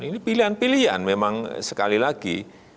ini pilihan pilihan memang sekali lagi